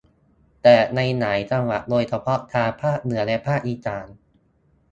แต่ในหลายจังหวัดโดยเฉพาะทางภาคเหนือและภาคอีสาน